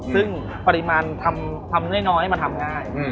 ซึ่งปริมาณทำน้อยให้มันทำง่าย